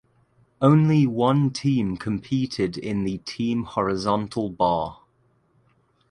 Only one team competed in the team horizontal bar.